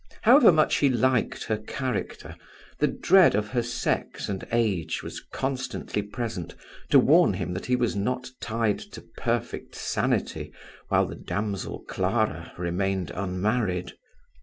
However much he liked her character, the dread of her sex and age was constantly present to warn him that he was not tied to perfect sanity while the damsel Clara remained unmarried.